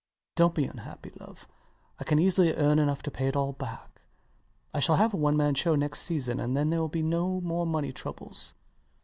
Dont be unhappy, love: I can easily earn enough to pay it all back. I shall have a one man show next season; and then there will be no more money troubles.